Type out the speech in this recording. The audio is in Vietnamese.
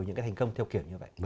những thành công thiêu kiện như vậy